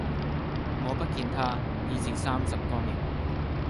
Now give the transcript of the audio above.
我不見他，已是三十多年；